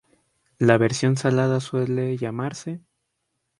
La versión salada suele llamarse 鹹角仔.